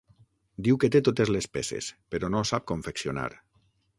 Diu que té totes les peces, però no ho sap confeccionar.